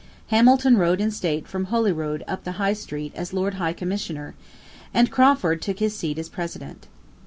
Hamilton rode in state from Holyrood up the High Street as Lord High Commissioner; and Crawford took his seat as President.